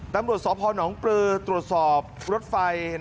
ตำรวจสอบฮหนองปลือตรวจสอบรถไฟ